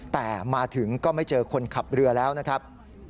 แต่มาถึงก็ไม่เจอคนขับเรือแล้วนะครับ